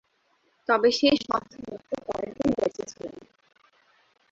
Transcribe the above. তবে সেই সন্তান মাত্র কয়েকদিন বেঁচে ছিলেন।